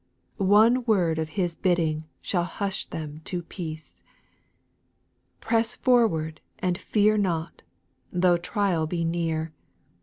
One word of His bidding shall hush them to peace. 2. Press forward and fear not; though trial be near.